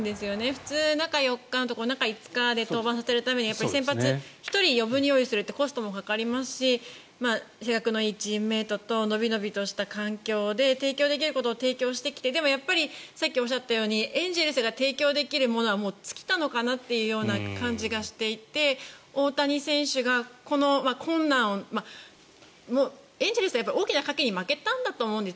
普通、中４日のところを中２日で登板させるためには先発１人、余分に用意するってコストもかかりますしチームメートとのびのびとした環境で提供できることを提供してきてでも、さっきおっしゃったようにエンゼルスが提供できるものはもう尽きたのかなという感じがしていて大谷選手がこの困難をエンゼルスは大きな賭けに負けたんだと思うんです。